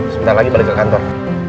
sebentar lagi balik ke kantor